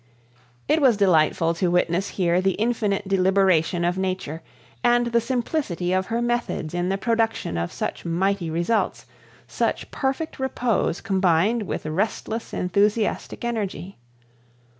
It was delightful to witness here the infinite deliberation of Nature, and the simplicity of her methods in the production of such mighty results, such perfect repose combined with restless enthusiastic energy.